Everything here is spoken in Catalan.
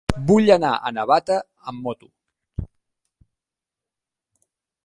Vull anar a Navata amb moto.